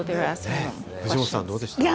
藤本さん、どうでした？